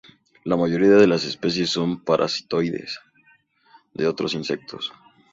La mayoría de las especies son parasitoides de otros insectos.